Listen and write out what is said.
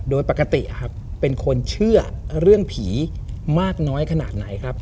โดยปกติครับเป็นคนเชื่อเรื่องผีมากน้อยขนาดไหนครับ